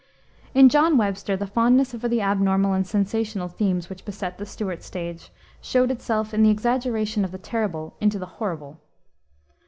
In John Webster the fondness for the abnormal and sensational themes, which beset the Stuart stage, showed itself in the exaggeration of the terrible into the horrible.